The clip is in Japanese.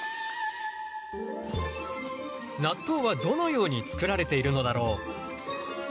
納豆はどのように作られているのだろう。